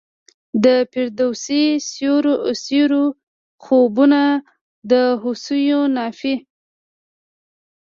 د فردوسي سیورو خوبونه د هوسیو نافي